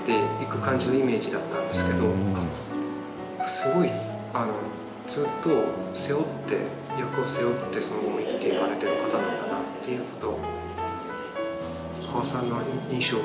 すごい、ずっと背負って役を背負って、その後も生きていかれてる方なんだなということ。